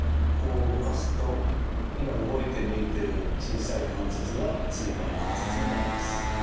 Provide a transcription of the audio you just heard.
こう動かすと今動いて見えてる小さい関節が椎間関節になります。